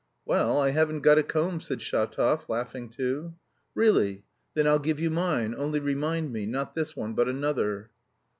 "Well, I haven't got a comb," said Shatov, laughing too. "Really? Then I'll give you mine; only remind me, not this one but another."